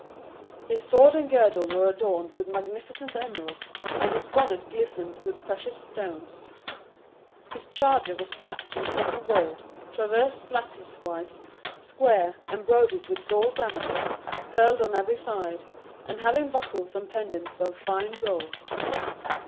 His sword and girdle were adorned with magnificent emeralds, and his bonnet glistened with precious stones. His charger was trapped in cloth of gold, traversed lattice wise, square, embroidered with gold damask, pearled on every side, and having buckles and pendants of fine gold.